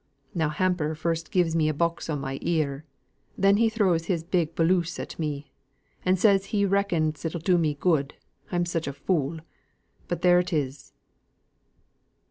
Now Hamper first gi'es me a box on my ear, and then he throws his big bolus at me, and says he reckons it'll do me no good, I'm such a fool, but there it is."